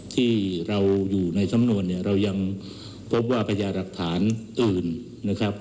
ที่เราอยู่ในสำนวนเนี่ยเรายังพบว่าพญาหลักฐานอื่นนะครับ